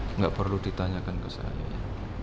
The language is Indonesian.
enggak perlu ditanyakan ke saya